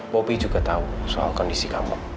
bobi juga tahu soal kondisi kamu